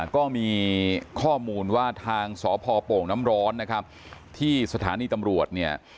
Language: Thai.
ก็มีข้อมูลว่าทางสพโป่งน้ำร้อนนะครับที่สถานีตำรวจเนี่ย